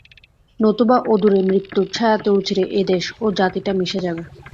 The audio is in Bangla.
নতুবা অদূরে মৃত্যুর ছায়াতে অচিরে এ দেশ ও জাতিটা মিশে যাবে।